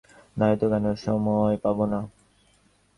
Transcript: না, হয়তো কেন, সময় পাব না।